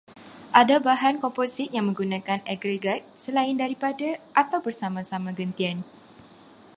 Ada bahan komposit yang menggunakan aggregrat selain daripada, atau bersama-sama gentian